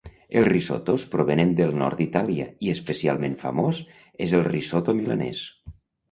Els risottos provenen del nord d'Itàlia i especialment famós és el risotto milanès.